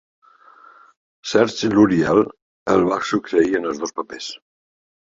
Serge Lourieel el va succeir en els dos papers.